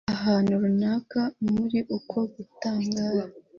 ahantu runaka muri uko gutangara